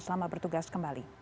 selamat bertugas kembali